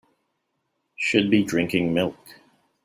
Should be drinking milk.